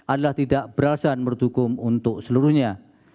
adalah tidak berasa menurut hukum untuk seluruhnya